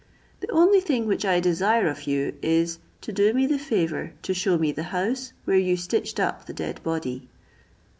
The only thing which I desire of you is, to do me the favour to shew me the house where You stitched up the dead body."